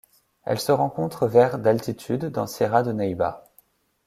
Elle se rencontre vers d'altitude dans Sierra de Neiba.